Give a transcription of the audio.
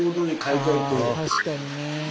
確かにね。